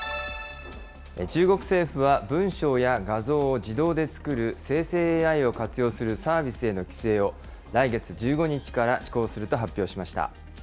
中国政府は、文章や画像を自動で作る生成ＡＩを活用するサービスへの規制を、来月１５日から施行すると発表しました。